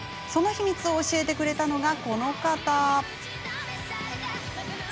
その秘密を教えてくれたのがこの方。